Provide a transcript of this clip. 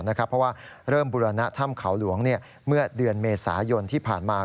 เพราะว่าเริ่มบุรณะถ้ำเขาหลวงเมื่อเดือนเมษายนที่ผ่านมา